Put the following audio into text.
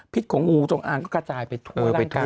พิษของงูจงอางก็กระจายไปทั่วร่างกาย